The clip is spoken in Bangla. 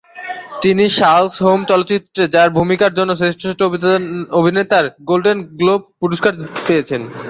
তিনি শার্লক হোমস চলচ্চিত্রে তার ভূমিকার জন্য শ্রেষ্ঠ অভিনেতার গোল্ডেন গ্লোব পুরস্কার পেয়েছেন।